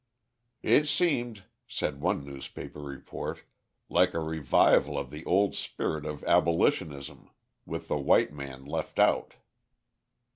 "It seemed," said one newspaper report, "like a revival of the old spirit of abolitionism with the white man left out."